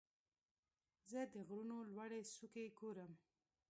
زه د غرونو لوړې څوکې ګورم.